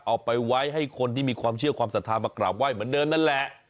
เอาไปไว้ให้คนที่มีความเชื่อความศรัทธามากราบไห้เหมือนเดิมนั่นแหละ